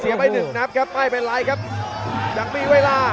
ซีอาบไทยหนึ่งนะครับใปร่ายเป็นไลน์ครับยังมีเวลา